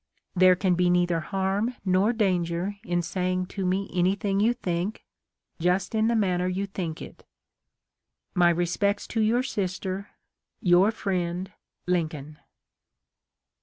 There can be neither harm nor danger in saying to me anything you think, just in the manner you think it. " My respects to your sister. " Your friend, " Lincoln."